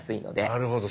なるほど。